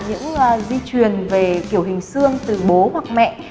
những di truyền về kiểu hình xương từ bố hoặc mẹ